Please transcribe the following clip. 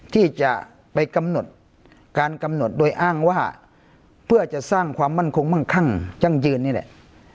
ที่จะไปกำหนดการกำหนดโดยอ้างว่าเพื่อจะสร้างความมั่นคงมั่งคั่งยั่งยืนนี่แหละ